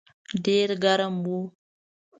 ډېر ګرم و.